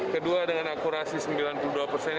kedua dengan akurasi sembilan puluh dua persen